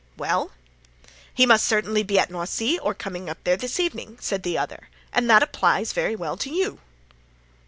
"Well?" "'He must certainly be at Noisy, or be coming there this evening,' said the other; and that applies very well to you."